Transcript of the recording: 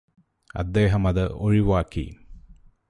അദ്ദേഹമത് ഒഴിവാക്കി